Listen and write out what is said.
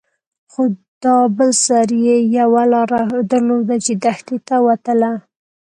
خو دا بل سر يې يوه لاره درلوده چې دښتې ته وتله.